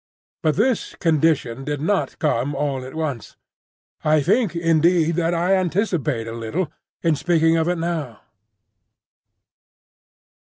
But this condition did not come all at once: I think indeed that I anticipate a little in speaking of it now.